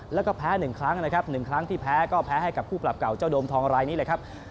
แล้วก็แพ้๑ครั้งนะครับ๑ครั้งที่แพ้ก็แพ้ให้กับคู่ปรับเก่าเจ้าโดมทองรายนี้เลยครับ